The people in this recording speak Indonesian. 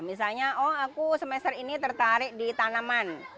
misalnya oh aku semester ini tertarik di tanaman